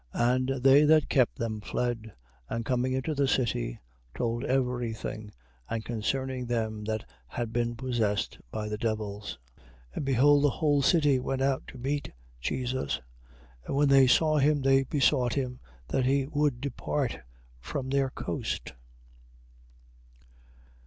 8:33. And they that kept them fled: and coming into the city, told every thing, and concerning them that had been possessed by the devils. 8:34. And behold the whole city went out to meet Jesus, and when they saw him, they besought him that he would depart from their coast.